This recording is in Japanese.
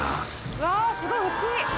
うわすごい大きい！